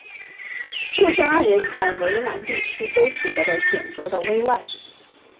舅甥二人在淮南地区都取得了显着的威望。